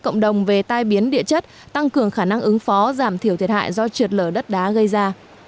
cộng đồng về tai biến địa chất tăng cường khả năng ứng phó giảm thiểu thiệt hại do trượt lở đất đá gây ra